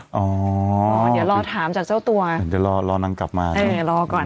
อ๋อเดี๋ยวรอถามจากเจ้าตัวเดี๋ยวรอรอนางกลับมาเออรอก่อน